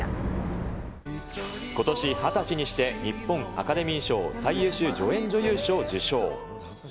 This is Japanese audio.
ことし２０歳にして、日本アカデミー賞最優秀助演女優賞を受賞。